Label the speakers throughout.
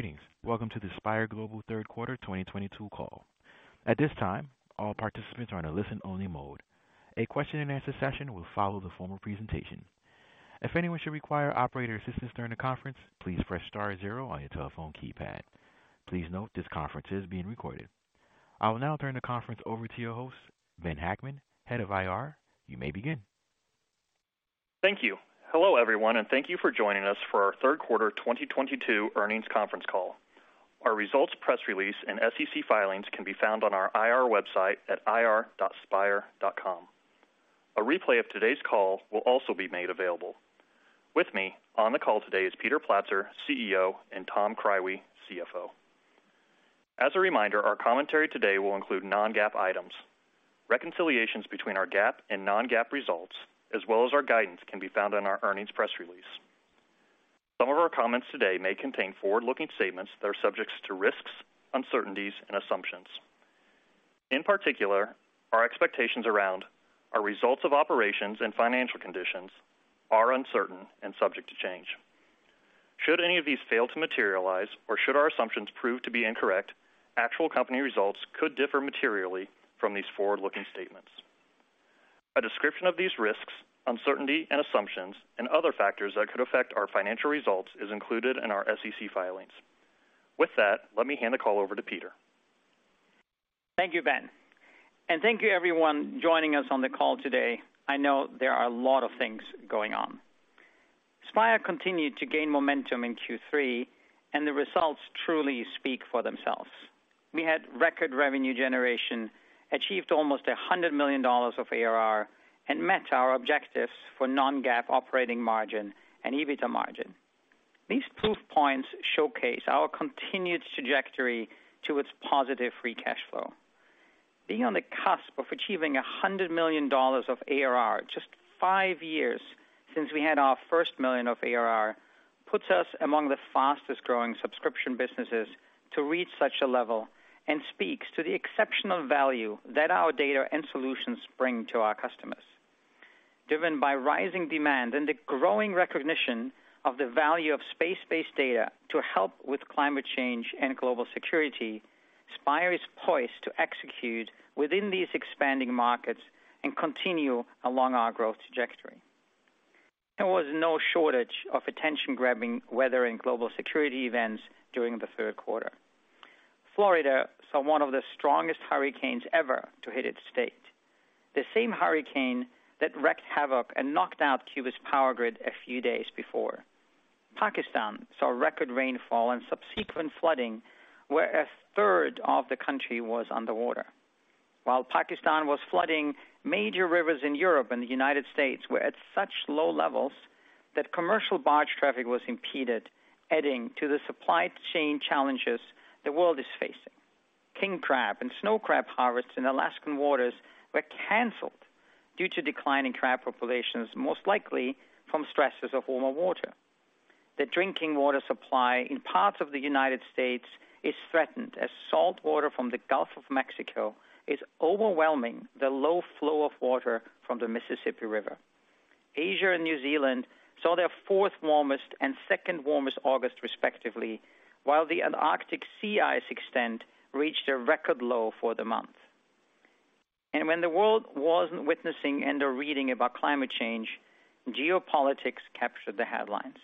Speaker 1: Greetings. Welcome to the Spire Global Third Quarter 2022 Call. At this time, all participants are in a listen-only mode. A question-and-answer session will follow the formal presentation. If anyone should require operator assistance during the conference, please press star zero on your telephone keypad. Please note this conference is being recorded. I will now turn the conference over to your host, Ben Hackman, Head of IR. You may begin.
Speaker 2: Thank you. Hello, everyone, and thank you for joining us for our third quarter 2022 earnings conference call. Our results press release and SEC filings can be found on our IR website at ir.spire.com. A replay of today's call will also be made available. With me on the call today is Peter Platzer, CEO, and Thomas Krywe, CFO. As a reminder, our commentary today will include non-GAAP items. Reconciliations between our GAAP and non-GAAP results, as well as our guidance, can be found on our earnings press release. Some of our comments today may contain forward-looking statements that are subject to risks, uncertainties, and assumptions. In particular, our expectations around our results of operations and financial conditions are uncertain and subject to change. Should any of these fail to materialize, or should our assumptions prove to be incorrect, actual company results could differ materially from these forward-looking statements. A description of these risks, uncertainties, and assumptions, and other factors that could affect our financial results is included in our SEC filings. With that, let me hand the call over to Peter.
Speaker 3: Thank you, Ben, and thank you everyone joining us on the call today. I know there are a lot of things going on. Spire continued to gain momentum in Q3 and the results truly speak for themselves. We had record revenue generation, achieved almost $100 million of ARR, and met our objectives for non-GAAP operating margin and EBITDA margin. These proof points showcase our continued trajectory to its positive free cash flow. Being on the cusp of achieving $100 million of ARR just five years since we had our first $1 million of ARR puts us among the fastest-growing subscription businesses to reach such a level and speaks to the exceptional value that our data and solutions bring to our customers. Driven by rising demand and the growing recognition of the value of space-based data to help with climate change and global security, Spire is poised to execute within these expanding markets and continue along our growth trajectory. There was no shortage of attention-grabbing weather and global security events during the third quarter. Florida saw one of the strongest hurricanes ever to hit its state. The same hurricane that wreaked havoc and knocked out Cuba's power grid a few days before. Pakistan saw record rainfall and subsequent flooding, where a third of the country was underwater. While Pakistan was flooding, major rivers in Europe and the United States were at such low levels that commercial barge traffic was impeded, adding to the supply chain challenges the world is facing. King crab and snow crab harvests in Alaskan waters were canceled due to declining crab populations, most likely from stresses of warmer water. The drinking water supply in parts of the United States is threatened as saltwater from the Gulf of Mexico is overwhelming the low flow of water from the Mississippi River. Asia and New Zealand saw their fourth warmest and second warmest August respectively, while the Antarctic sea ice extent reached a record low for the month. When the world wasn't witnessing and or reading about climate change, geopolitics captured the headlines.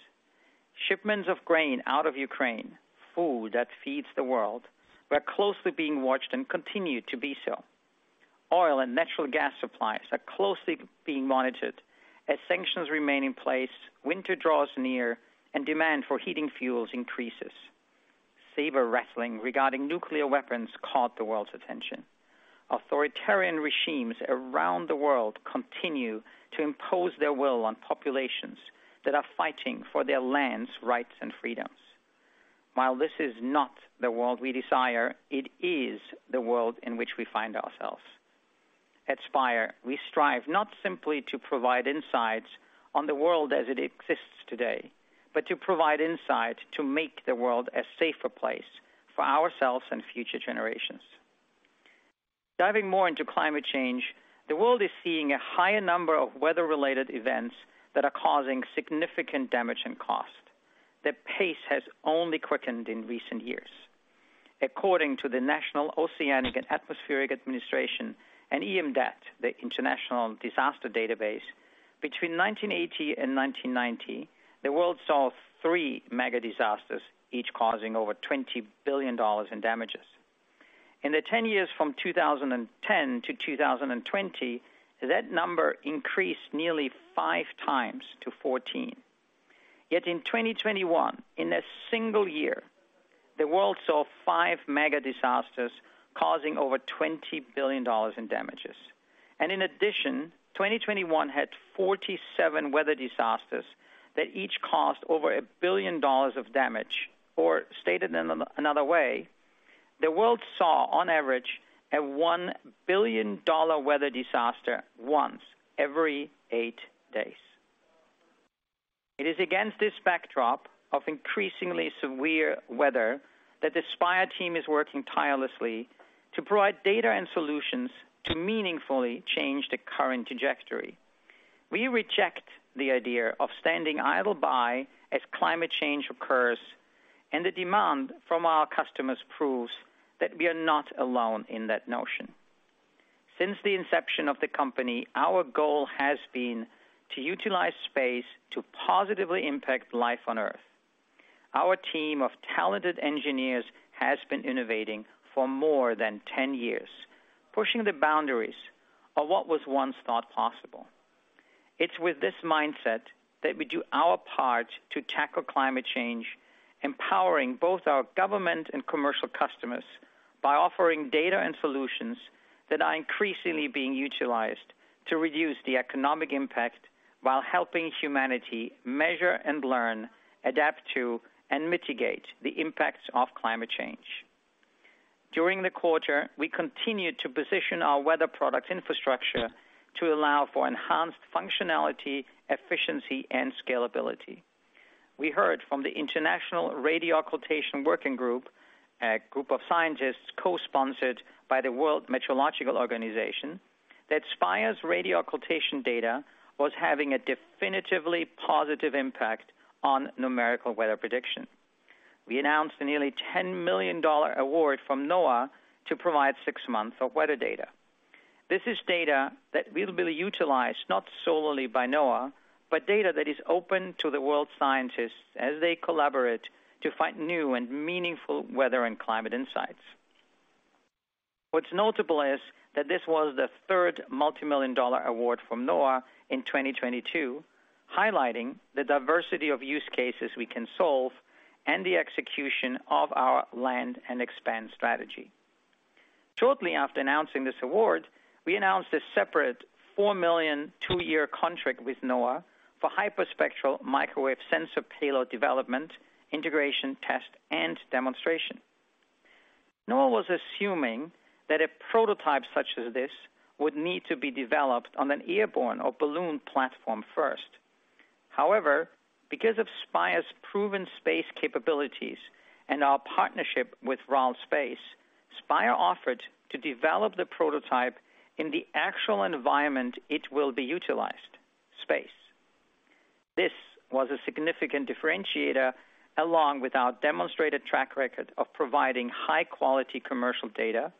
Speaker 3: Shipments of grain out of Ukraine, food that feeds the world, were closely being watched and continue to be so. Oil and natural gas supplies are closely being monitored as sanctions remain in place, winter draws near, and demand for heating fuels increases. Saber-rattling regarding nuclear weapons caught the world's attention. Authoritarian regimes around the world continue to impose their will on populations that are fighting for their lands, rights, and freedoms. While this is not the world we desire, it is the world in which we find ourselves. At Spire, we strive not simply to provide insights on the world as it exists today, but to provide insight to make the world a safer place for ourselves and future generations. Diving more into climate change, the world is seeing a higher number of weather-related events that are causing significant damage and cost. The pace has only quickened in recent years. According to the National Oceanic and Atmospheric Administration and EM-DAT, the International Disaster Database, between 1980 and 1990, the world saw three mega disasters, each causing over $20 billion in damages. In the 10 years from 2010 to 2020, that number increased nearly five times to 14. Yet in 2021, in a single year, the world saw five mega disasters causing over $20 billion in damages. In addition, 2021 had 47 weather disasters that each cost over $1 billion of damage, or stated in another way, the world saw on average a $1 billion weather disaster once every eight days. It is against this backdrop of increasingly severe weather that the Spire team is working tirelessly to provide data and solutions to meaningfully change the current trajectory. We reject the idea of standing idle by as climate change occurs, and the demand from our customers proves that we are not alone in that notion. Since the inception of the company, our goal has been to utilize space to positively impact life on Earth. Our team of talented engineers has been innovating for more than 10 years, pushing the boundaries of what was once thought possible. It's with this mindset that we do our part to tackle climate change, empowering both our government and commercial customers by offering data and solutions that are increasingly being utilized to reduce the economic impact while helping humanity measure and learn, adapt to, and mitigate the impacts of climate change. During the quarter, we continued to position our weather product infrastructure to allow for enhanced functionality, efficiency, and scalability. We heard from the International Radio Occultation Working Group, a group of scientists co-sponsored by the World Meteorological Organization, that Spire's radio occultation data was having a definitively positive impact on numerical weather prediction. We announced a nearly $10 million award from NOAA to provide six months of weather data. This is data that will be utilized not solely by NOAA, but data that is open to the world scientists as they collaborate to find new and meaningful weather and climate insights. What's notable is that this was the third multi-million dollar award from NOAA in 2022, highlighting the diversity of use cases we can solve and the execution of our land and expand strategy. Shortly after announcing this award, we announced a separate $4 million two-year contract with NOAA for hyperspectral microwave sensor payload development, integration, test, and demonstration. NOAA was assuming that a prototype such as this would need to be developed on an airborne or balloon platform first. However, because of Spire's proven space capabilities and our partnership with RAL Space, Spire offered to develop the prototype in the actual environment it will be utilized, space. This was a significant differentiator, along with our demonstrated track record of providing high-quality commercial data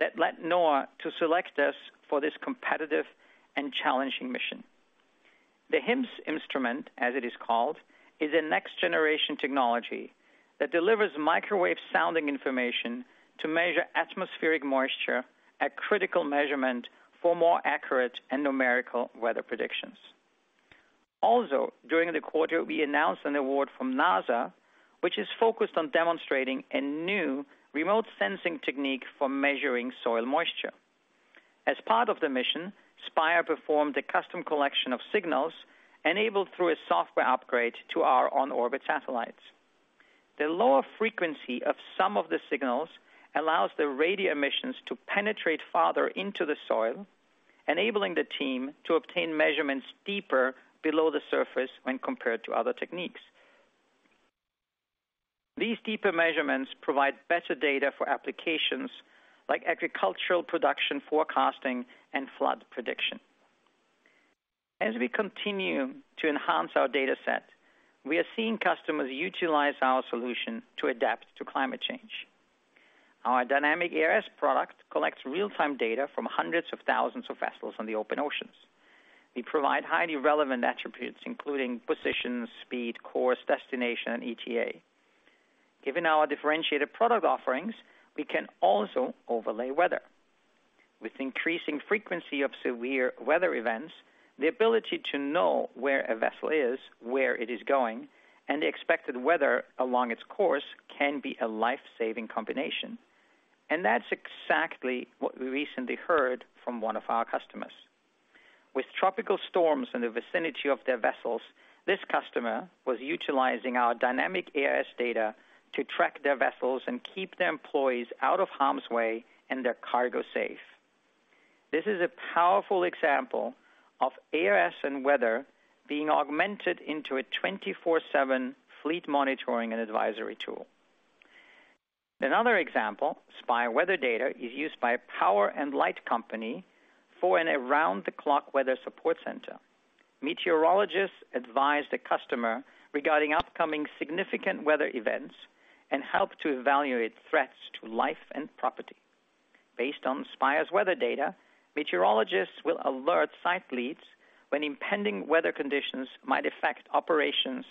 Speaker 3: that led NOAA to select us for this competitive and challenging mission. The HyMS instrument, as it is called, is a next generation technology that delivers microwave sounding information to measure atmospheric moisture at critical measurement for more accurate and numerical weather predictions. Also, during the quarter, we announced an award from NASA, which is focused on demonstrating a new remote sensing technique for measuring soil moisture. As part of the mission, Spire performed a custom collection of signals enabled through a software upgrade to our on-orbit satellites. The lower frequency of some of the signals allows the radio emissions to penetrate farther into the soil, enabling the team to obtain measurements deeper below the surface when compared to other techniques. These deeper measurements provide better data for applications like agricultural production forecasting and flood prediction. As we continue to enhance our data set, we are seeing customers utilize our solution to adapt to climate change. Our Dynamic AIS product collects real-time data from hundreds of thousands of vessels on the open oceans. We provide highly relevant attributes, including position, speed, course, destination, and ETA. Given our differentiated product offerings, we can also overlay weather. With increasing frequency of severe weather events, the ability to know where a vessel is, where it is going, and the expected weather along its course can be a life-saving combination. That's exactly what we recently heard from one of our customers. With tropical storms in the vicinity of their vessels, this customer was utilizing our Dynamic AIS data to track their vessels and keep their employees out of harm's way and their cargo safe. This is a powerful example of AIS and weather being augmented into a 24/7 fleet monitoring and advisory tool. Another example. Spire weather data is used by a power and light company for an around-the-clock weather support center. Meteorologists advise the customer regarding upcoming significant weather events and help to evaluate threats to life and property. Based on Spire's weather data, meteorologists will alert site leads when impending weather conditions might affect operations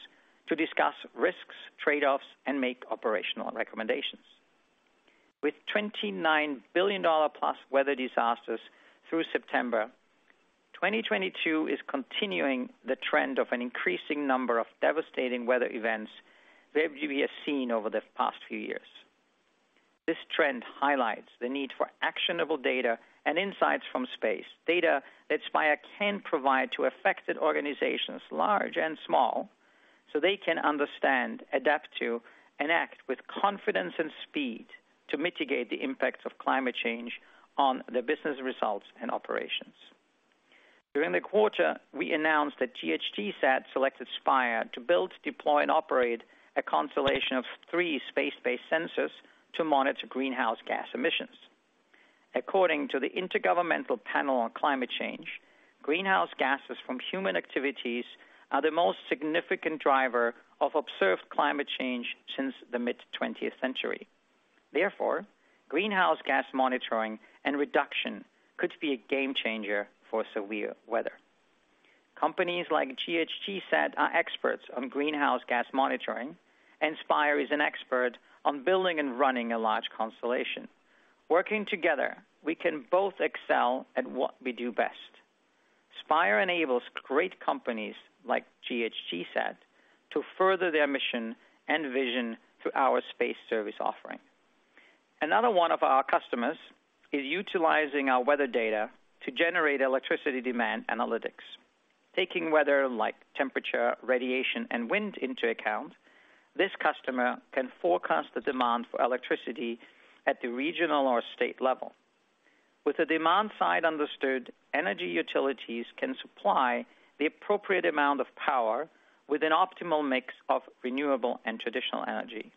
Speaker 3: to discuss risks, trade-offs, and make operational recommendations. With 29 billion-dollar-plus weather disasters through September 2022, this is continuing the trend of an increasing number of devastating weather events that we have seen over the past few years. This trend highlights the need for actionable data and insights from space, data that Spire can provide to affected organizations large and small, so they can understand, adapt to, and act with confidence and speed to mitigate the impacts of climate change on their business results and operations. During the quarter, we announced that GHGSat selected Spire to build, deploy, and operate a constellation of three space-based sensors to monitor greenhouse gas emissions. According to the Intergovernmental Panel on Climate Change, greenhouse gases from human activities are the most significant driver of observed climate change since the mid-twentieth century. Therefore, greenhouse gas monitoring and reduction could be a game-changer for severe weather. Companies like GHGSat are experts on greenhouse gas monitoring, and Spire is an expert on building and running a large constellation. Working together, we can both excel at what we do best. Spire enables great companies like GHGSat to further their mission and vision through our space service offering. Another one of our customers is utilizing our weather data to generate electricity demand analytics. Taking weather like temperature, radiation, and wind into account, this customer can forecast the demand for electricity at the regional or state level. With the demand side understood, energy utilities can supply the appropriate amount of power with an optimal mix of renewable and traditional energy.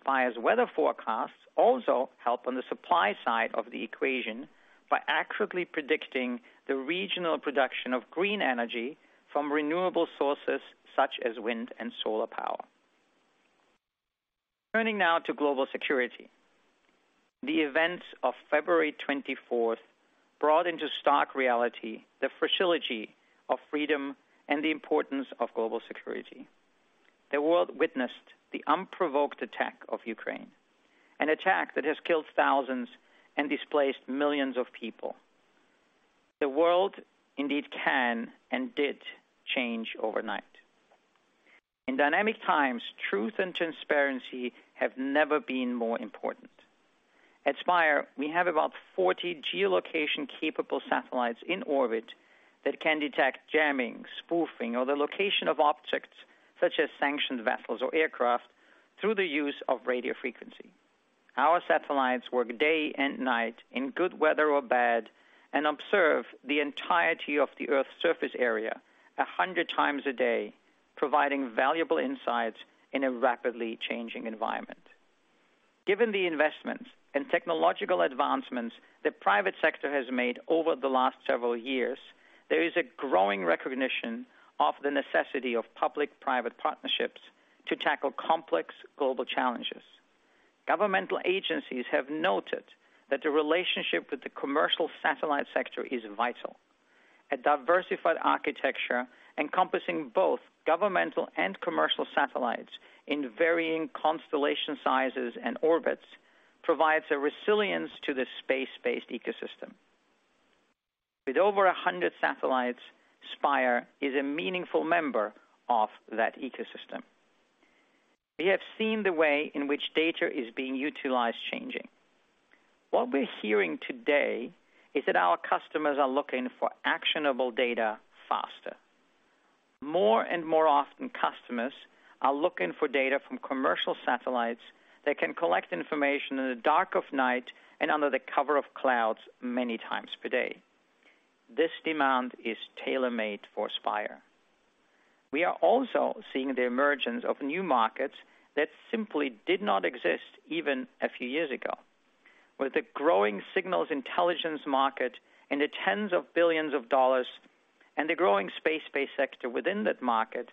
Speaker 3: Spire's weather forecasts also help on the supply side of the equation by accurately predicting the regional production of green energy from renewable sources such as wind and solar power. Turning now to global security. The events of February 24th brought into stark reality the fragility of freedom and the importance of global security. The world witnessed the unprovoked attack of Ukraine, an attack that has killed thousands and displaced millions of people. The world indeed can and did change overnight. In dynamic times, truth and transparency have never been more important. At Spire, we have about 40 geolocation-capable satellites in orbit that can detect jamming, spoofing, or the location of objects such as sanctioned vessels or aircraft through the use of radio frequency. Our satellites work day and night in good weather or bad, and observe the entirety of the Earth's surface area 100 times a day, providing valuable insights in a rapidly changing environment. Given the investments and technological advancements the private sector has made over the last several years, there is a growing recognition of the necessity of public-private partnerships to tackle complex global challenges. Governmental agencies have noted that the relationship with the commercial satellite sector is vital. A diversified architecture encompassing both governmental and commercial satellites in varying constellation sizes and orbits provides a resilience to the space-based ecosystem. With over 100 satellites, Spire is a meaningful member of that ecosystem. We have seen the way in which data is being utilized changing. What we're hearing today is that our customers are looking for actionable data faster. More and more often, customers are looking for data from commercial satellites that can collect information in the dark of night and under the cover of clouds many times per day. This demand is tailor-made for Spire. We are also seeing the emergence of new markets that simply did not exist even a few years ago. With the growing signals intelligence market in the tens of billions of dollars and the growing space-based sector within that market,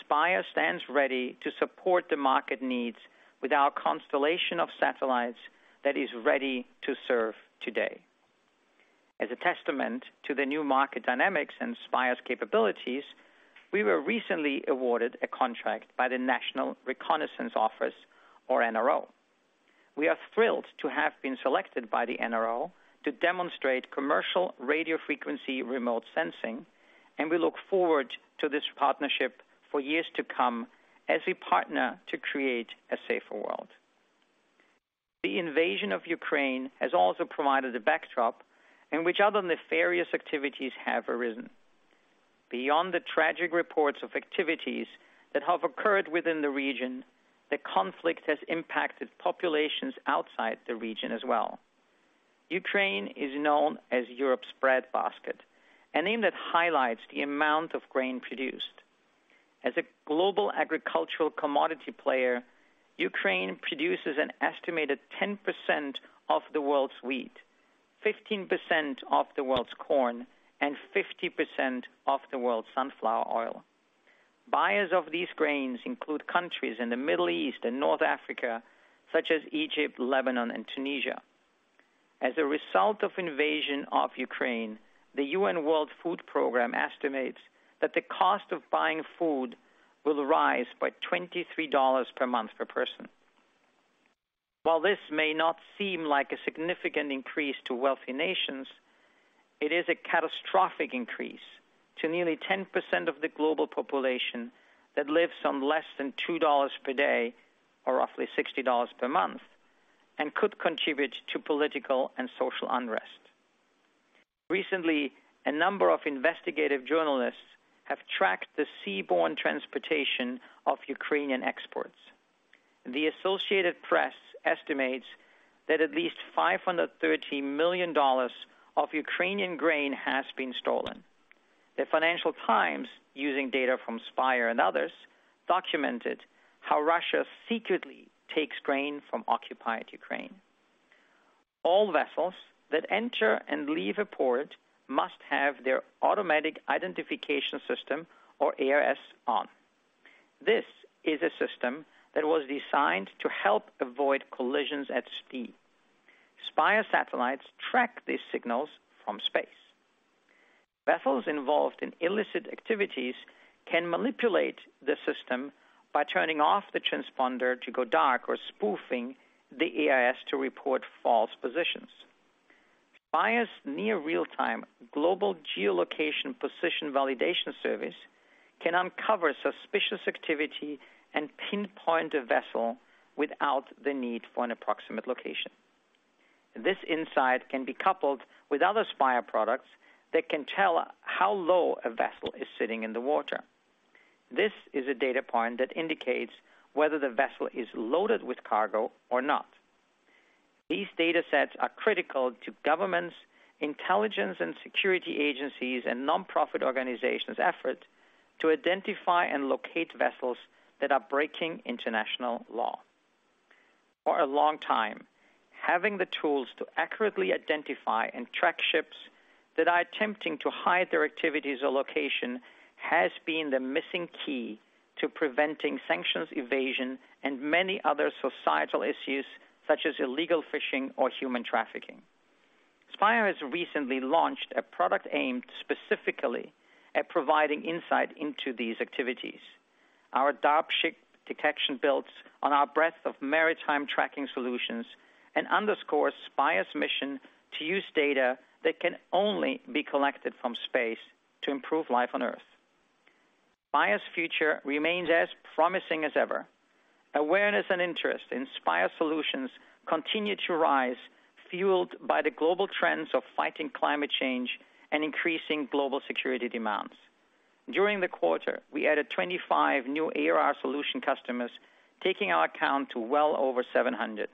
Speaker 3: Spire stands ready to support the market needs with our constellation of satellites that is ready to serve today. As a testament to the new market dynamics and Spire's capabilities, we were recently awarded a contract by the National Reconnaissance Office, or NRO. We are thrilled to have been selected by the NRO to demonstrate commercial radio frequency remote sensing, and we look forward to this partnership for years to come as we partner to create a safer world. The invasion of Ukraine has also provided a backdrop in which other nefarious activities have arisen. Beyond the tragic reports of activities that have occurred within the region, the conflict has impacted populations outside the region as well. Ukraine is known as Europe's breadbasket, a name that highlights the amount of grain produced. As a global agricultural commodity player, Ukraine produces an estimated 10% of the world's wheat, 15% of the world's corn, and 50% of the world's sunflower oil. Buyers of these grains include countries in the Middle East and North Africa such as Egypt, Lebanon, and Tunisia. As a result of invasion of Ukraine, the UN World Food Programme estimates that the cost of buying food will rise by $23 per month per person. While this may not seem like a significant increase to wealthy nations, it is a catastrophic increase to nearly 10% of the global population that lives on less than $2 per day or roughly $60 per month and could contribute to political and social unrest. Recently, a number of investigative journalists have tracked the seaborne transportation of Ukrainian exports. The Associated Press estimates that at least $530 million of Ukrainian grain has been stolen. The Financial Times, using data from Spire and others, documented how Russia secretly takes grain from occupied Ukraine. All vessels that enter and leave a port must have their automatic identification system, or AIS, on. This is a system that was designed to help avoid collisions at sea. Spire satellites track these signals from space. Vessels involved in illicit activities can manipulate the system by turning off the transponder to go dark or spoofing the AIS to report false positions. Spire's near real-time global geolocation position validation service can uncover suspicious activity and pinpoint a vessel without the need for an approximate location. This insight can be coupled with other Spire products that can tell how low a vessel is sitting in the water. This is a data point that indicates whether the vessel is loaded with cargo or not. These data sets are critical to governments, intelligence and security agencies, and nonprofit organizations' efforts to identify and locate vessels that are breaking international law. For a long time, having the tools to accurately identify and track ships that are attempting to hide their activities or location has been the missing key to preventing sanctions evasion and many other societal issues such as illegal fishing or human trafficking. Spire has recently launched a product aimed specifically at providing insight into these activities. Our Dark Ship Detection builds on our breadth of maritime tracking solutions and underscores Spire's mission to use data that can only be collected from space to improve life on Earth. Spire's future remains as promising as ever. Awareness and interest in Spire solutions continue to rise, fueled by the global trends of fighting climate change and increasing global security demands. During the quarter, we added 25 new ARR solution customers, taking our count to well over 700.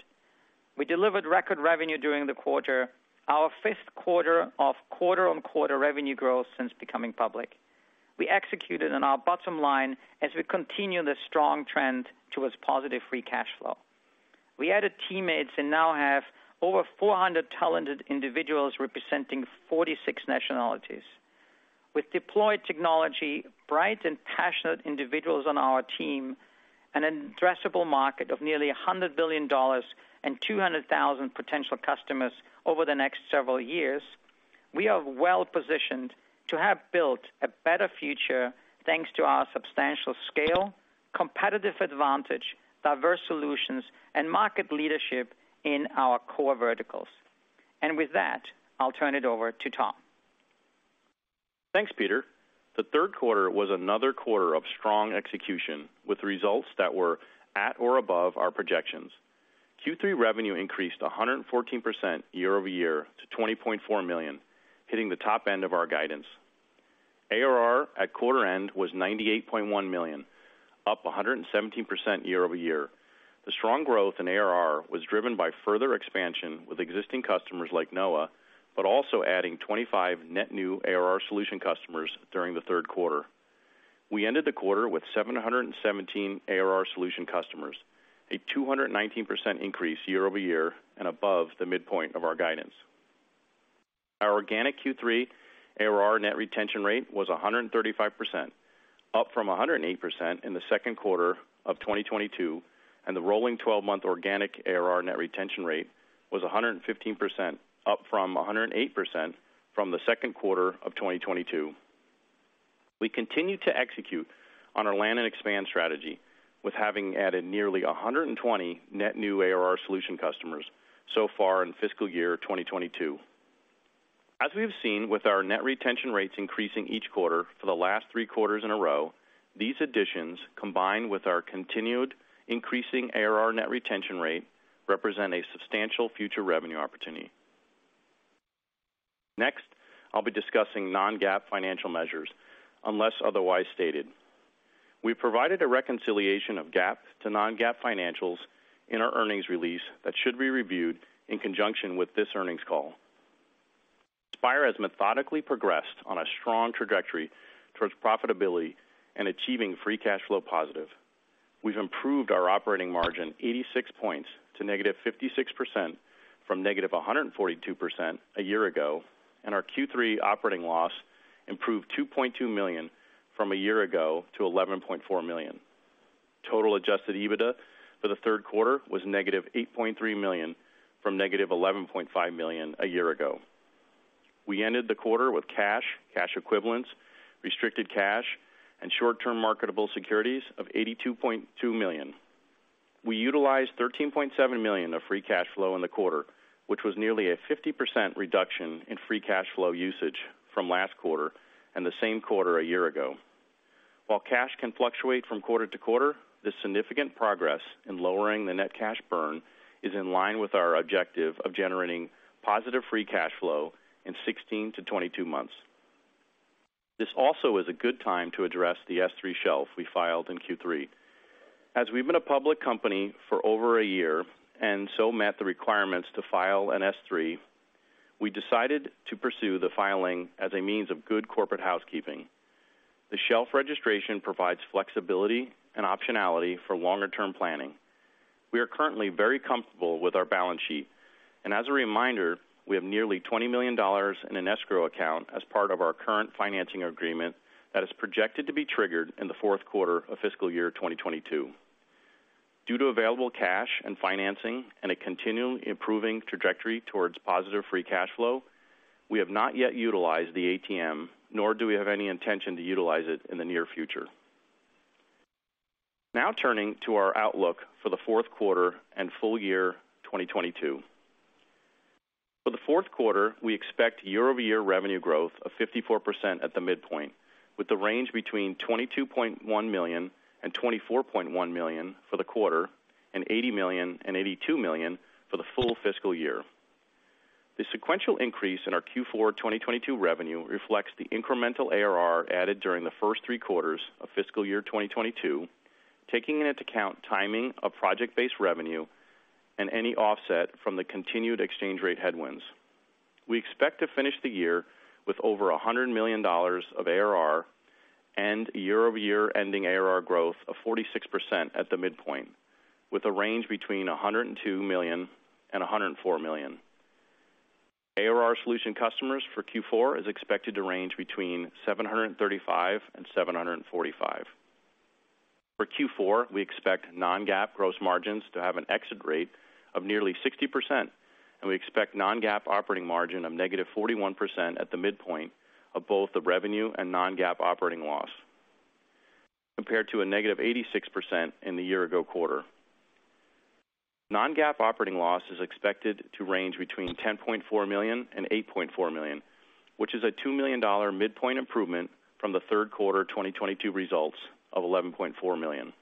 Speaker 3: We delivered record revenue during the quarter, our fifth quarter of quarter-over-quarter revenue growth since becoming public. We executed on our bottom line as we continue the strong trend towards positive free cash flow. We added teammates and now have over 400 talented individuals representing 46 nationalities. With deployed technology, bright and passionate individuals on our team, an addressable market of nearly $100 billion and 200,000 potential customers over the next several years, we are well-positioned to have built a better future thanks to our substantial scale, competitive advantage, diverse solutions, and market leadership in our core verticals. With that, I'll turn it over to Tom.
Speaker 4: Thanks, Peter. The third quarter was another quarter of strong execution with results that were at or above our projections. Q3 revenue increased 114% year-over-year to $20.4 million, hitting the top end of our guidance. ARR at quarter end was $98.1 million, up 117% year-over-year. The strong growth in ARR was driven by further expansion with existing customers like NOAA, but also adding 25 net new ARR solution customers during the third quarter. We ended the quarter with 717 ARR solution customers, a 219% increase year-over-year and above the midpoint of our guidance. Our organic Q3 ARR net retention rate was 135%, up from 108% in the second quarter of 2022, and the rolling twelve-month organic ARR net retention rate was 115%, up from 108% from the second quarter of 2022. We continued to execute on our land and expand strategy with having added nearly 120 net new ARR solution customers so far in fiscal year 2022. As we have seen with our net retention rates increasing each quarter for the last three quarters in a row, these additions, combined with our continued increasing ARR net retention rate, represent a substantial future revenue opportunity. Next, I'll be discussing non-GAAP financial measures unless otherwise stated. We provided a reconciliation of GAAP to non-GAAP financials in our earnings release that should be reviewed in conjunction with this earnings call. Spire has methodically progressed on a strong trajectory towards profitability and achieving free cash flow positive. We've improved our operating margin 86 points to -56% from -142% a year ago, and our Q3 operating loss improved $2.2 million from a year ago to $11.4 million. Total adjusted EBITDA for the third quarter was -$8.3 million from -$11.5 million a year ago. We ended the quarter with cash equivalents, restricted cash, and short-term marketable securities of $82.2 million. We utilized $13.7 million of free cash flow in the quarter, which was nearly a 50% reduction in free cash flow usage from last quarter and the same quarter a year ago. While cash can fluctuate from quarter to quarter, the significant progress in lowering the net cash burn is in line with our objective of generating positive free cash flow in 16-22 months. This also is a good time to address the S-3 shelf we filed in Q3. As we've been a public company for over a year and so met the requirements to file an S-3, we decided to pursue the filing as a means of good corporate housekeeping. The shelf registration provides flexibility and optionality for longer-term planning. We are currently very comfortable with our balance sheet, and as a reminder, we have nearly $20 million in an escrow account as part of our current financing agreement that is projected to be triggered in the fourth quarter of fiscal year 2022. Due to available cash and financing and a continuing improving trajectory towards positive free cash flow, we have not yet utilized the ATM, nor do we have any intention to utilize it in the near future. Now turning to our outlook for the fourth quarter and full year 2022. For the fourth quarter, we expect year-over-year revenue growth of 54% at the midpoint, with the range between $22.1 million and $24.1 million for the quarter and $80 million-$82 million for the full fiscal year. The sequential increase in our Q4 2022 revenue reflects the incremental ARR added during the first three quarters of fiscal year 2022, taking into account timing of project-based revenue and any offset from the continued exchange rate headwinds. We expect to finish the year with over $100 million of ARR and year-over-year ending ARR growth of 46% at the midpoint, with a range between $102 million and $104 million. ARR solution customers for Q4 is expected to range between 735 and 745. For Q4, we expect non-GAAP gross margins to have an exit rate of nearly 60%, and we expect non-GAAP operating margin of negative 41% at the midpoint of both the revenue and non-GAAP operating loss, compared to a negative 86% in the year ago quarter. Non-GAAP operating loss is expected to range between $10.4 million and $8.4 million, which is a $2 million midpoint improvement from the third quarter 2022 results of $11.4 million.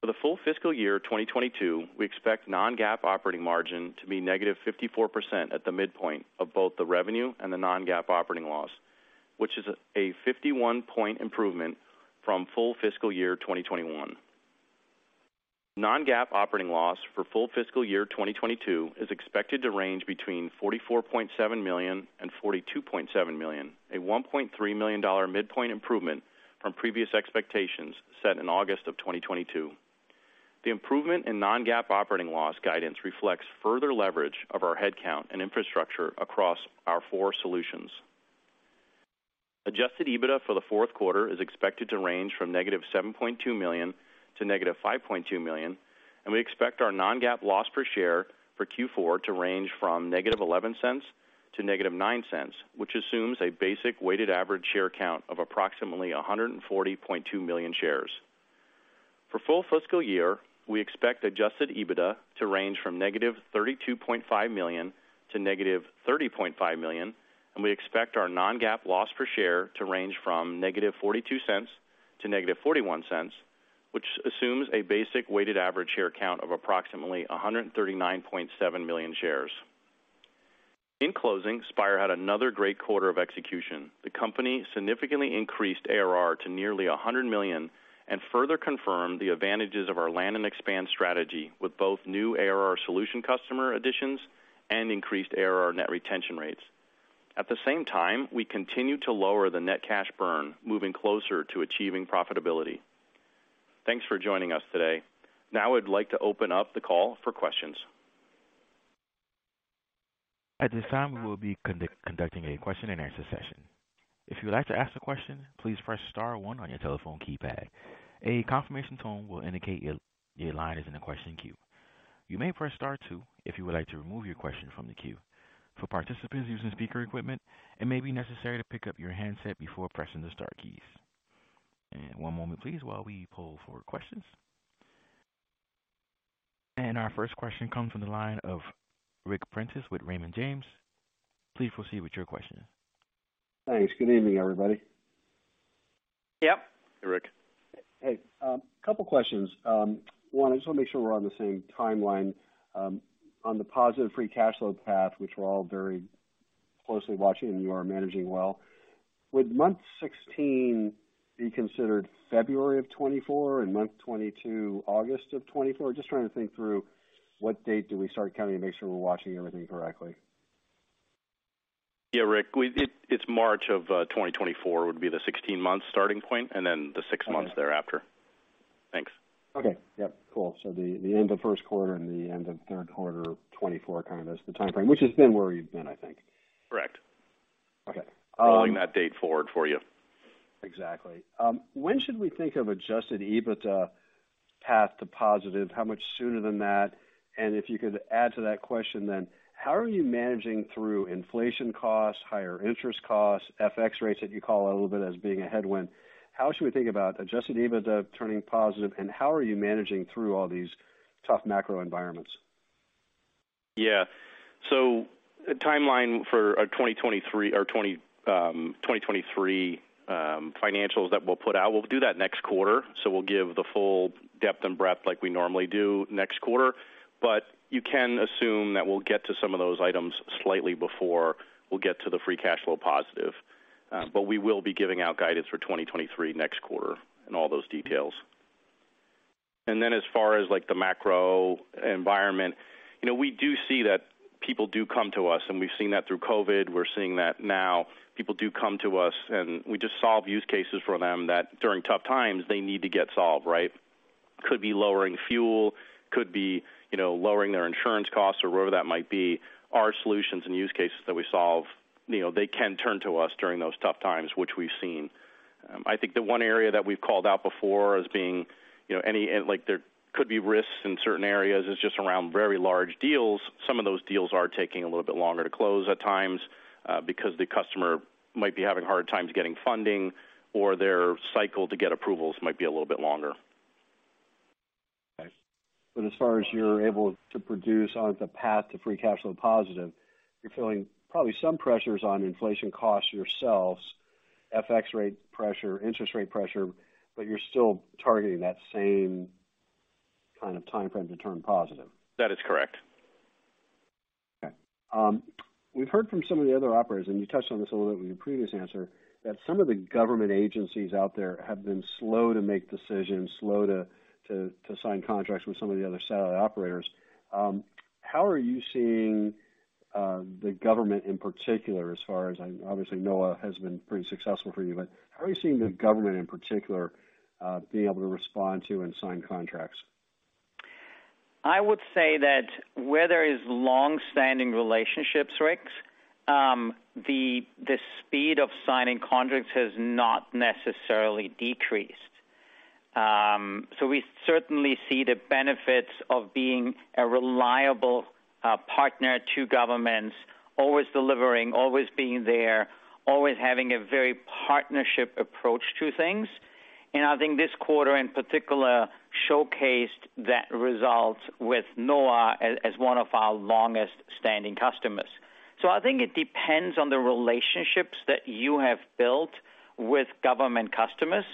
Speaker 4: For the full fiscal year 2022, we expect non-GAAP operating margin to be -54% at the midpoint of both the revenue and the non-GAAP operating loss, which is a 51-point improvement from full fiscal year 2021. Non-GAAP operating loss for full fiscal year 2022 is expected to range between $44.7 million and $42.7 million, a $1.3 million midpoint improvement from previous expectations set in August of 2022. The improvement in non-GAAP operating loss guidance reflects further leverage of our headcount and infrastructure across our four solutions. Adjusted EBITDA for the fourth quarter is expected to range from -$7.2 million-$5.2 million, and we expect our non-GAAP loss per share for Q4 to range from -$0.11-$0.09, which assumes a basic weighted average share count of approximately 140.2 million shares. For full fiscal year, we expect adjusted EBITDA to range from -$32.5 million-$30.5 million, and we expect our non-GAAP loss per share to range from -$0.42-$0.41, which assumes a basic weighted average share count of approximately 139.7 million shares. In closing, Spire had another great quarter of execution. The company significantly increased ARR to nearly $100 million and further confirmed the advantages of our land and expand strategy with both new ARR solution customer additions and increased ARR net retention rates. At the same time, we continue to lower the net cash burn, moving closer to achieving profitability. Thanks for joining us today. Now I'd like to open up the call for questions.
Speaker 1: At this time, we will be conducting a question and answer session. If you would like to ask a question, please press star one on your telephone keypad. A confirmation tone will indicate your line is in the question queue. You may press star two if you would like to remove your question from the queue. For participants using speaker equipment, it may be necessary to pick up your handset before pressing the star keys. One moment please, while we pull for questions. Our first question comes from the line of Ric Prentiss with Raymond James. Please proceed with your question.
Speaker 5: Thanks. Good evening, everybody.
Speaker 3: Yeah.
Speaker 4: Hey, Ric.
Speaker 5: Hey. Couple questions. One, I just wanna make sure we're on the same timeline on the positive free cash flow path, which we're all very closely watching, and you are managing well. Would month 16 be considered February of 2024 and month 22 August of 2024? Just trying to think through what date do we start counting to make sure we're watching everything correctly.
Speaker 4: Yeah, Ric. It's March of 2024 would be the 16 months starting point, and then the six months thereafter. Thanks.
Speaker 5: Okay. Yep. Cool. The end of first quarter and the end of third quarter of 2024 kind of is the timeframe, which has been where you've been, I think.
Speaker 4: Correct.
Speaker 5: Okay.
Speaker 4: Rolling that date forward for you.
Speaker 5: Exactly. When should we think of adjusted EBITDA path to positive? How much sooner than that? If you could add to that question then, how are you managing through inflation costs, higher interest costs, FX rates that you call out a little bit as being a headwind? How should we think about adjusted EBITDA turning positive, and how are you managing through all these tough macro environments?
Speaker 4: Yeah. The timeline for 2023 financials that we'll put out, we'll do that next quarter. We'll give the full depth and breadth like we normally do next quarter. You can assume that we'll get to some of those items slightly before we'll get to the free cash flow positive. We will be giving out guidance for 2023 next quarter and all those details. As far as like the macro environment, you know, we do see that people do come to us, and we've seen that through COVID. We're seeing that now. People do come to us, and we just solve use cases for them that during tough times they need to get solved, right? Could be lowering fuel, could be, you know, lowering their insurance costs or whatever that might be. Our solutions and use cases that we solve, you know, they can turn to us during those tough times, which we've seen. I think the one area that we've called out before as being, you know, like there could be risks in certain areas is just around very large deals. Some of those deals are taking a little bit longer to close at times, because the customer might be having hard times getting funding or their cycle to get approvals might be a little bit longer.
Speaker 5: Okay. As far as you're able to produce on the path to free cash flow positive, you're feeling probably some pressures on inflation costs yourselves, FX rate pressure, interest rate pressure, but you're still targeting that same kind of timeframe to turn positive.
Speaker 4: That is correct.
Speaker 5: Okay. We've heard from some of the other operators, and you touched on this a little bit in your previous answer, that some of the government agencies out there have been slow to make decisions, slow to sign contracts with some of the other satellite operators. How are you seeing the government in particular as far as, and obviously NOAA has been pretty successful for you, but how are you seeing the government in particular being able to respond to and sign contracts?
Speaker 3: I would say that where there is long-standing relationships, Ric, the speed of signing contracts has not necessarily decreased. We certainly see the benefits of being a reliable partner to governments, always delivering, always being there, always having a very partnership approach to things. I think this quarter, in particular, showcased that result with NOAA as one of our longest-standing customers. I think it depends on the relationships that you have built with government customers.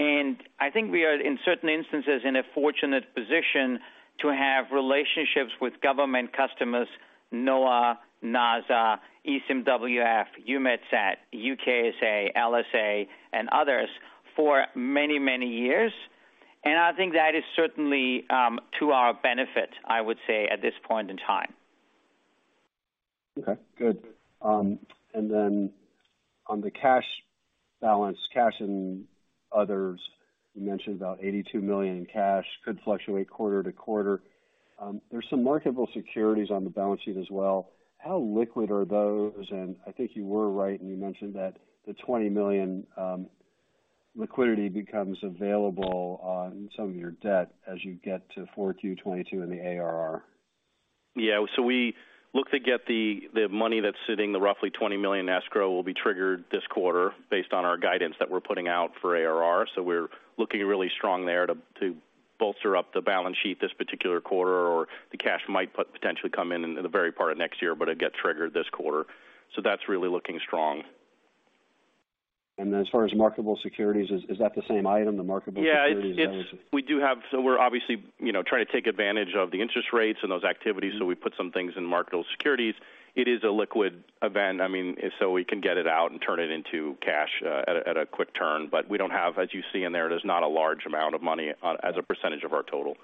Speaker 3: I think we are, in certain instances, in a fortunate position to have relationships with government customers, NOAA, NASA, ECMWF, EUMETSAT, UKSA, CSA, and others for many, many years. I think that is certainly to our benefit, I would say, at this point in time.
Speaker 5: Okay, good. On the cash balance, cash and others, you mentioned about $82 million in cash could fluctuate quarter to quarter. There's some marketable securities on the balance sheet as well. How liquid are those? I think you were right when you mentioned that the $20 million liquidity becomes available on some of your debt as you get to 4Q 2022 and the ARR.
Speaker 4: Yeah. We look to get the money that's sitting, the roughly $20 million escrow will be triggered this quarter based on our guidance that we're putting out for ARR. We're looking really strong there to bolster up the balance sheet this particular quarter, or the cash might potentially come in in the very part of next year, but it gets triggered this quarter. That's really looking strong.
Speaker 5: As far as marketable securities, is that the same item, the marketable securities balance?
Speaker 4: Yeah. It's. We do have. We're obviously, you know, trying to take advantage of the interest rates and those activities, so we put some things in marketable securities. It is a liquid asset. I mean, we can get it out and turn it into cash at a quick turn. We don't have, as you see in there. It is not a large amount of money as a percentage of our total.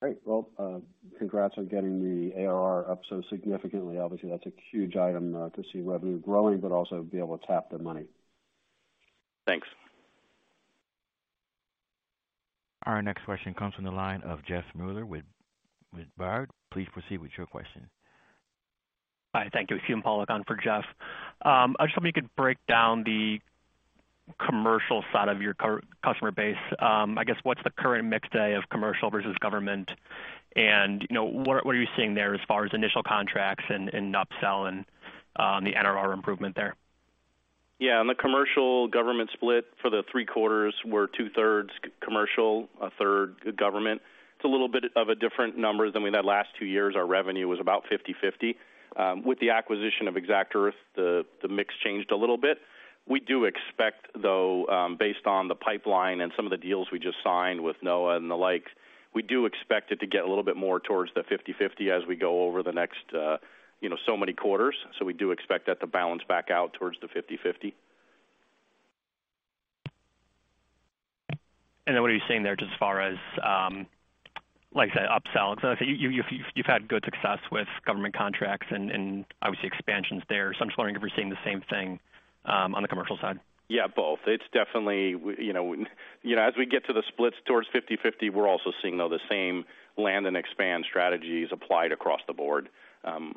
Speaker 5: Great. Well, congrats on getting the ARR up so significantly. Obviously, that's a huge item to see revenue growing, but also be able to tap the money.
Speaker 4: Thanks.
Speaker 1: Our next question comes from the line of Jeffrey Meuler with Baird. Please proceed with your question.
Speaker 6: Hi. Thank you. It's Pawlak on for Jeff. I was hoping you could break down the commercial side of your customer base. I guess what's the current mix today of commercial versus government? You know, what are you seeing there as far as initial contracts and upsell and the NRR improvement there?
Speaker 4: Yeah. On the commercial government split for the three quarters, we were two-thirds commercial, a third government. It's a little bit of a different number than we had last two years. Our revenue was about 50/50. With the acquisition of exactEarth, the mix changed a little bit. We do expect, though, based on the pipeline and some of the deals we just signed with NOAA and the like, we do expect it to get a little bit more towards the 50/50 as we go over the next, you know, so many quarters. We do expect that to balance back out towards the 50/50.
Speaker 6: Then what are you seeing there just as far as, like I said, upsell? If you've had good success with government contracts and obviously expansions there. I'm just wondering if you're seeing the same thing, on the commercial side.
Speaker 4: Yeah, both. It's definitely, you know, as we get to the splits towards 50/50, we're also seeing though the same land and expand strategies applied across the board.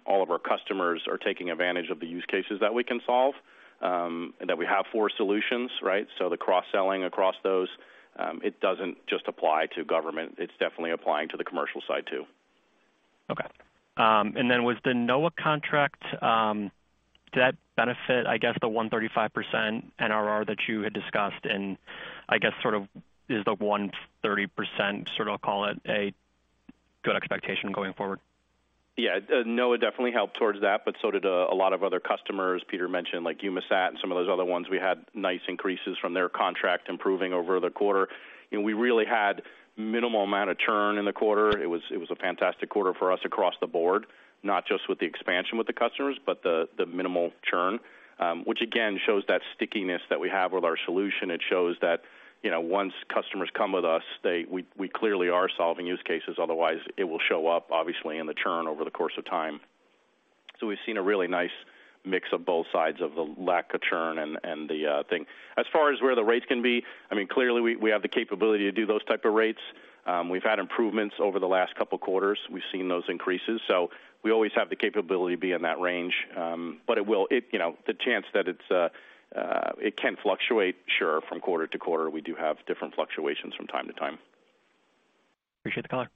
Speaker 4: All of our customers are taking advantage of the use cases that we can solve, and that we have for solutions, right? The cross-selling across those, it doesn't just apply to government. It's definitely applying to the commercial side too.
Speaker 6: With the NOAA contract, did that benefit, I guess, the 135% NRR that you had discussed? I guess sort of is the 130%, sort of call it a good expectation going forward.
Speaker 4: Yeah. NOAA definitely helped towards that, but so did a lot of other customers Peter mentioned, like EUMETSAT and some of those other ones. We had nice increases from their contract improving over the quarter. You know, we really had minimal amount of churn in the quarter. It was a fantastic quarter for us across the board, not just with the expansion with the customers, but the minimal churn. Which again shows that stickiness that we have with our solution. It shows that, you know, once customers come with us, we clearly are solving use cases, otherwise it will show up obviously in the churn over the course of time.
Speaker 3: We've seen a really nice mix of both sides of the lack of churn and the thing. As far as where the rates can be. I mean, clearly we have the capability to do those type of rates. We've had improvements over the last couple quarters. We've seen those increases, so we always have the capability to be in that range. But you know, the chance that it can fluctuate, sure. From quarter to quarter, we do have different fluctuations from time to time.
Speaker 6: Appreciate the color.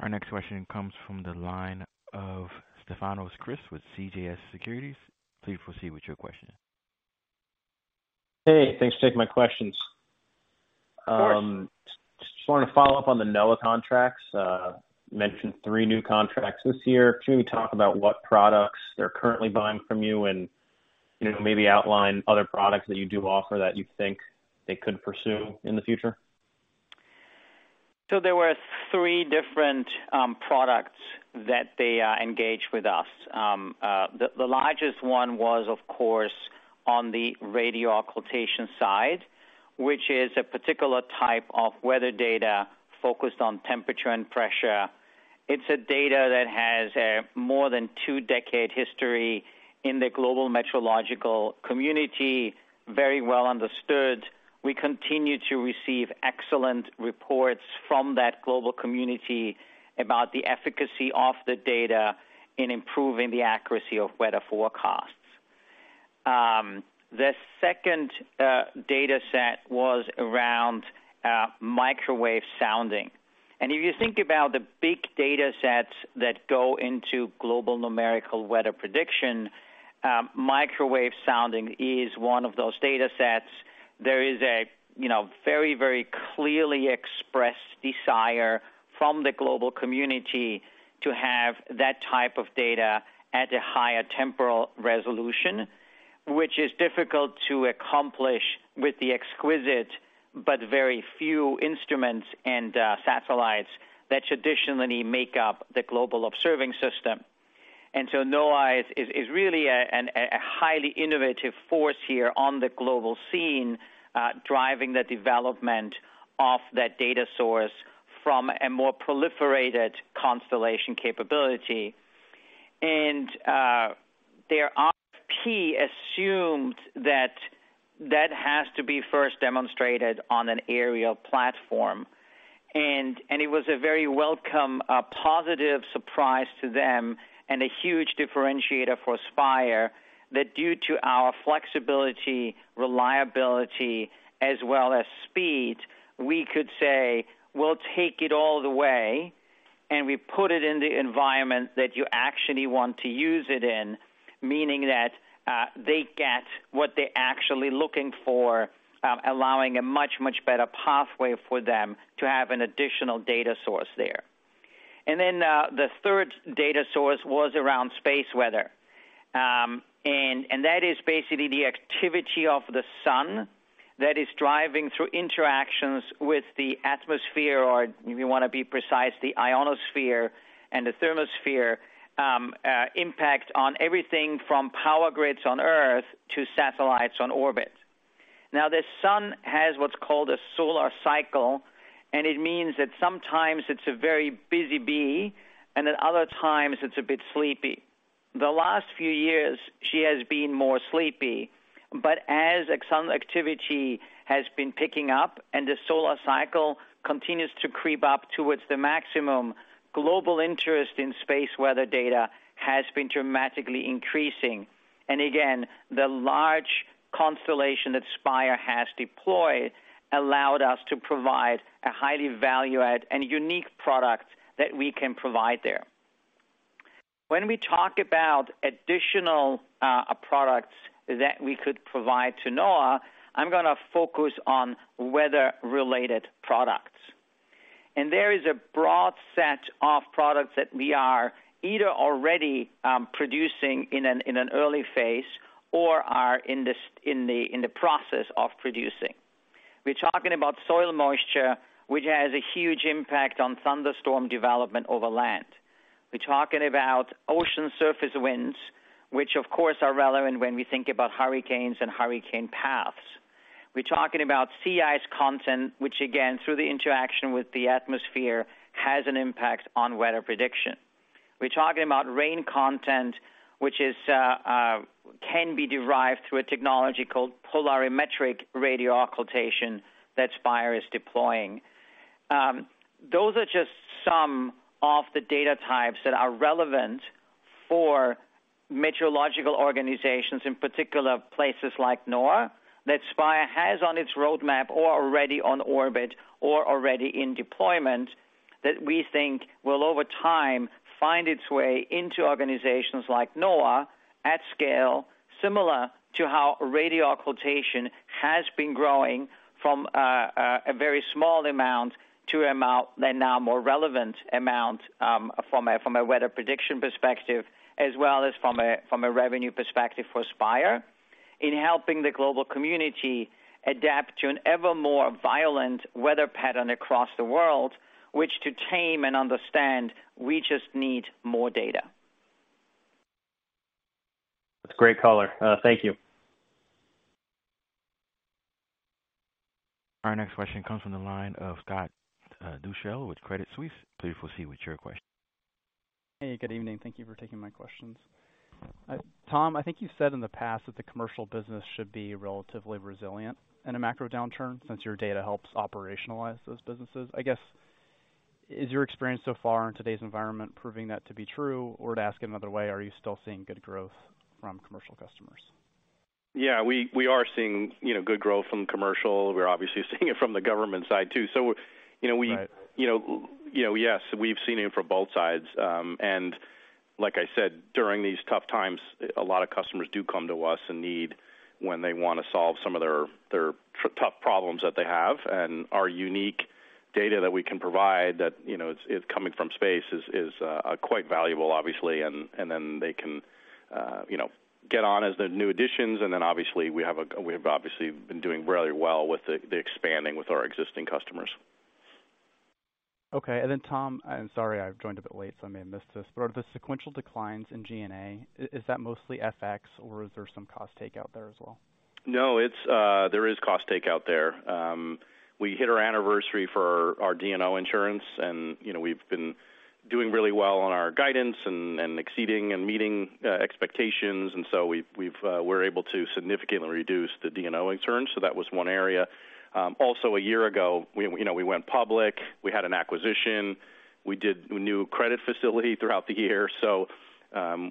Speaker 1: Our next question comes from the line of Stefanos Crist with CJS Securities. Please proceed with your question.
Speaker 7: Hey, thanks for taking my questions.
Speaker 3: Of course.
Speaker 7: Just wanted to follow up on the NOAA contracts. Mentioned three new contracts this year. Can you talk about what products they're currently buying from you and, you know, maybe outline other products that you do offer that you think they could pursue in the future?
Speaker 3: There were three different products that they engaged with us. The largest one was of course on the Radio Occultation side, which is a particular type of weather data focused on temperature and pressure. It's a data that has more than two-decade history in the global meteorological community, very well understood. We continue to receive excellent reports from that global community about the efficacy of the data in improving the accuracy of weather forecasts. The second data set was around microwave sounding. If you think about the big data sets that go into global numerical weather prediction, microwave sounding is one of those data sets. There is a, you know, very, very clearly expressed desire from the global community to have that type of data at a higher temporal resolution, which is difficult to accomplish with the exquisite but very few instruments and satellites that traditionally make up the global observing system. NOAA is really a highly innovative force here on the global scene, driving the development of that data source from a more proliferated constellation capability. Their RFP assumed that that has to be first demonstrated on an aerial platform. It was a very welcome positive surprise to them and a huge differentiator for Spire that due to our flexibility, reliability as well as speed, we could say, "We'll take it all the way, and we put it in the environment that you actually want to use it in." Meaning that they get what they're actually looking for, allowing a much, much better pathway for them to have an additional data source there. The third data source was around space weather. That is basically the activity of the sun that is driving through interactions with the atmosphere, or if you wanna be precise, the ionosphere and the thermosphere, impact on everything from power grids on Earth to satellites on orbit. Now, the sun has what's called a solar cycle, and it means that sometimes it's a very busy bee, and at other times it's a bit sleepy. The last few years she has been more sleepy. As sun activity has been picking up and the solar cycle continues to creep up towards the maximum, global interest in space weather data has been dramatically increasing. Again, the large constellation that Spire has deployed allowed us to provide a highly valued and unique product that we can provide there. When we talk about additional products that we could provide to NOAA, I'm gonna focus on weather-related products. There is a broad set of products that we are either already producing in an early phase or are in the process of producing. We're talking about soil moisture, which has a huge impact on thunderstorm development over land. We're talking about ocean surface winds, which of course are relevant when we think about hurricanes and hurricane paths. We're talking about sea ice content, which again, through the interaction with the atmosphere, has an impact on weather prediction. We're talking about rain content, which can be derived through a technology called polarimetric radio occultation that Spire is deploying. Those are just some of the data types that are relevant for meteorological organizations, in particular places like NOAA, that Spire has on its roadmap or already on orbit or already in deployment, that we think will over time find its way into organizations like NOAA at scale, similar to how Radio Occultation has been growing from a very small amount to a now more relevant amount, from a weather prediction perspective as well as from a revenue perspective for Spire in helping the global community adapt to an ever more violent weather pattern across the world, which to tame and understand, we just need more data.
Speaker 7: That's a great color. Thank you.
Speaker 1: Our next question comes from the line of Scott Deuschle with Credit Suisse. Please proceed with your question.
Speaker 8: Hey, good evening. Thank you for taking my questions. Tom, I think you said in the past that the commercial business should be relatively resilient in a macro downturn, since your data helps operationalize those businesses. I guess, is your experience so far in today's environment proving that to be true? Or to ask it another way, are you still seeing good growth from commercial customers?
Speaker 4: Yeah, we are seeing, you know, good growth from commercial. We're obviously seeing it from the government side too.
Speaker 8: Right.
Speaker 4: You know, yes, we've seen it from both sides. Like I said, during these tough times, a lot of customers do come to us in need when they wanna solve some of their tough problems that they have. Our unique data that we can provide that, you know, it's coming from space is quite valuable, obviously. Then they can, you know, get on as the new additions, and then obviously, we have obviously been doing really well with the expanding with our existing customers.
Speaker 8: Okay. Tom, I'm sorry, I've joined a bit late, so I may have missed this. The sequential declines in G&A, is that mostly FX or is there some cost takeout there as well?
Speaker 4: No, it's there is cost takeout there. We hit our anniversary for our D&O insurance and, you know, we've been doing really well on our guidance and exceeding and meeting expectations. We're able to significantly reduce the D&O insurance. That was one area. Also a year ago, you know, we went public, we had an acquisition, we did new credit facility throughout the year.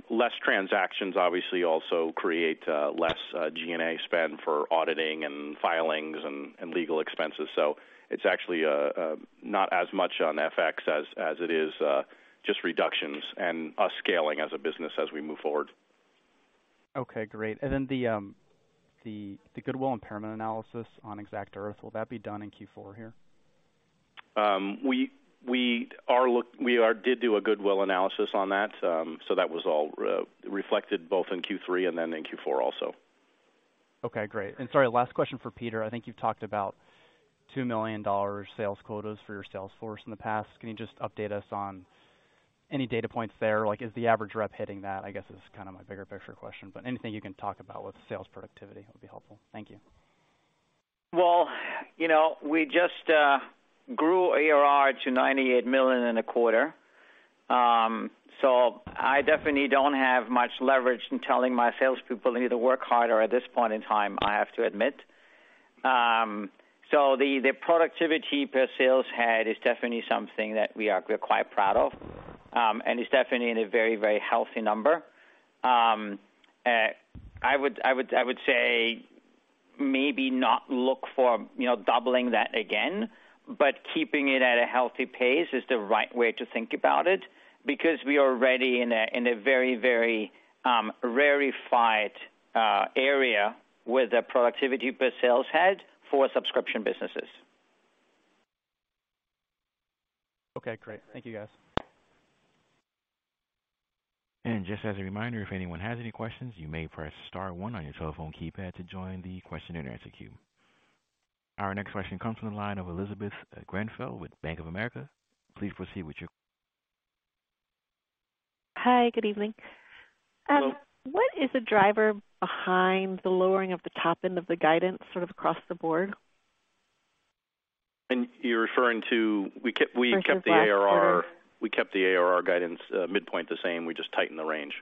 Speaker 4: Less transactions obviously also create less G&A spend for auditing and filings and legal expenses. It's actually not as much on FX as it is just reductions and us scaling as a business as we move forward.
Speaker 8: Okay, great. The goodwill impairment analysis on exactEarth, will that be done in Q4 here?
Speaker 4: We did do a goodwill analysis on that. That was all reflected both in Q3 and then in Q4 also.
Speaker 8: Okay, great. Sorry, last question for Peter. I think you've talked about $2 million sales quotas for your sales force in the past. Can you just update us on any data points there? Like is the average rep hitting that, I guess is kind of my bigger picture question, but anything you can talk about with sales productivity would be helpful. Thank you.
Speaker 3: Well, you know, we just grew ARR to $98 million in a quarter. I definitely don't have much leverage in telling my salespeople they need to work harder at this point in time, I have to admit. The productivity per sales head is definitely something that we are quite proud of. It's definitely in a very, very healthy number. I would say maybe not look for, you know, doubling that again, but keeping it at a healthy pace is the right way to think about it, because we are already in a very, very rarefied area with the productivity per sales head for subscription businesses.
Speaker 8: Okay, great. Thank you, guys.
Speaker 1: Just as a reminder, if anyone has any questions, you may press star one on your telephone keypad to join the question-and-answer queue. Our next question comes from the line of Elizabeth Grenfell with Bank of America. Please proceed with your-
Speaker 9: Hi, good evening. What is the driver behind the lowering of the top end of the guidance sort of across the board?
Speaker 4: And you're referring to we ke-
Speaker 9: Versus last quarter.
Speaker 4: We kept the ARR, we kept the ARR guidance, midpoint the same. We just tightened the range.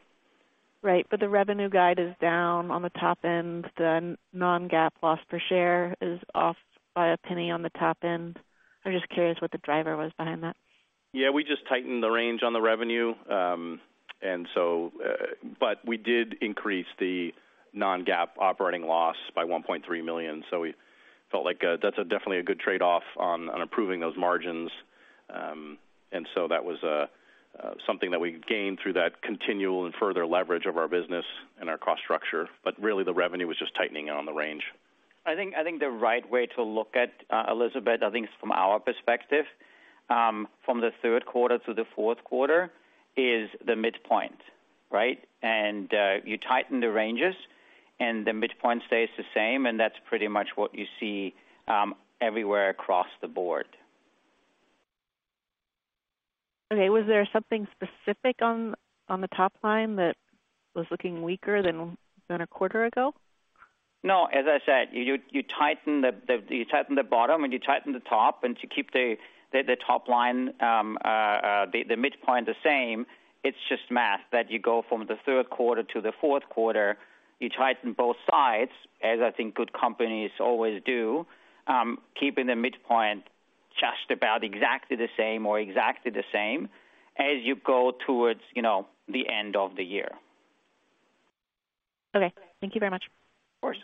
Speaker 9: Right. The revenue guide is down on the top end. The non-GAAP loss per share is off by $0.01 on the top end. I'm just curious what the driver was behind that.
Speaker 4: Yeah, we just tightened the range on the revenue. We did increase the non-GAAP operating loss by $1.3 million. We felt like that's definitely a good trade-off on improving those margins. That was something that we gained through that continual and further leverage of our business and our cost structure. Really the revenue was just tightening on the range.
Speaker 3: I think the right way to look at Elizabeth, I think from our perspective, from the third quarter to the fourth quarter is the midpoint, right? You tighten the ranges and the midpoint stays the same, and that's pretty much what you see everywhere across the board.
Speaker 9: Okay. Was there something specific on the top line that was looking weaker than a quarter ago?
Speaker 3: No, as I said, you tighten the bottom and you tighten the top and to keep the top line, the midpoint the same, it's just math that you go from the third quarter to the fourth quarter, you tighten both sides, as I think good companies always do, keeping the midpoint just about exactly the same or exactly the same as you go towards, you know, the end of the year.
Speaker 9: Okay. Thank you very much.
Speaker 3: Of course.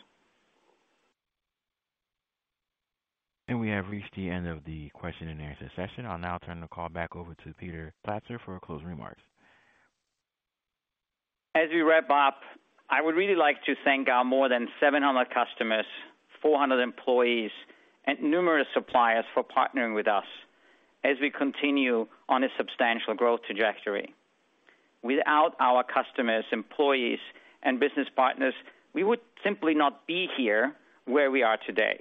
Speaker 1: We have reached the end of the question-and-answer session. I'll now turn the call back over to Peter Platzer for closing remarks.
Speaker 3: As we wrap up, I would really like to thank our more than 700 customers, 400 employees and numerous suppliers for partnering with us as we continue on a substantial growth trajectory. Without our customers, employees and business partners, we would simply not be here where we are today.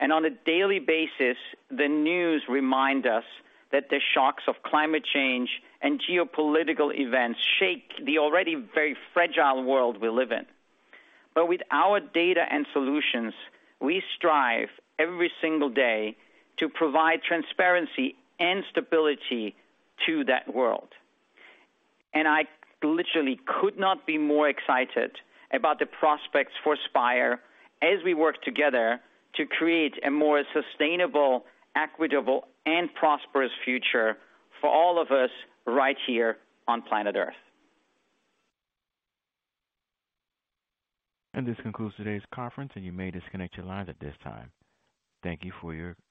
Speaker 3: On a daily basis, the news remind us that the shocks of climate change and geopolitical events shake the already very fragile world we live in. With our data and solutions, we strive every single day to provide transparency and stability to that world. I literally could not be more excited about the prospects for Spire as we work together to create a more sustainable, equitable and prosperous future for all of us right here on planet Earth.
Speaker 1: This concludes today's conference, and you may disconnect your lines at this time. Thank you for your participation.